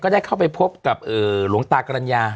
ได้เข้าไปพบกับหลวงตากรรณญา